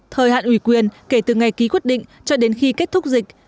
thời hạn ủy quyền kể từ ngày ký quyết định cho đến khi kết thúc dịch